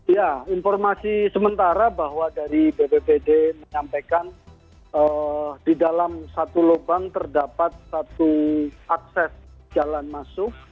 ya informasi sementara bahwa dari bppd menyampaikan di dalam satu lubang terdapat satu akses jalan masuk